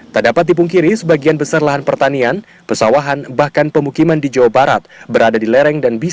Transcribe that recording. tak dapat dipungkiri sebagian besar lahan pertanian pesawahan bahkan pemukiman di jawa barat berada di lereng dan bisa